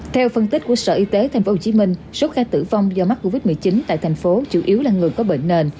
theo phân tích của sở y tế tp hcm số ca tử vong do mắc covid một mươi chín tại thành phố chủ yếu là người có bệnh nền